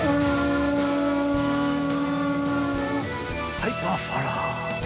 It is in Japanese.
はいパッファラー。